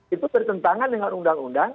itu bertentangan dengan undang undang